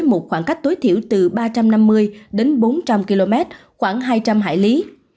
một khoảng cách tối thiểu từ ba trăm năm mươi đến bốn trăm linh km khoảng hai trăm linh hải lý